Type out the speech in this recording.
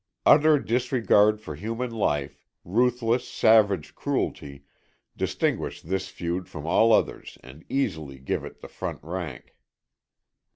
Utter disregard for human life, ruthless, savage cruelty, distinguish this feud from all others and easily give it the front rank.